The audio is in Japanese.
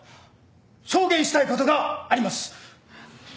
証言したいことがあります！